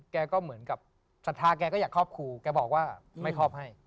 แกก็เหมือนกับศรัทธาแกก็อยากครอบครูแกบอกว่าไม่ครอบให้